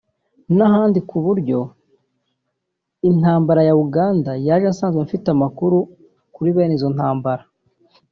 n’ahandi ku buryo intambara ya Uganda yaje nsanzwe mfite amakuru kuri bene izo ntambara